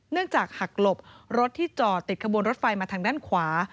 เนื่องจากหักหลบรถที่จอดติดขบวนรถไฟมาทางด้านขวา